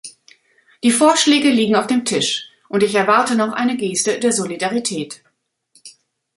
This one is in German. Die Vorschläge liegen auf dem Tisch, und ich erwarte noch eine Geste der Solidarität.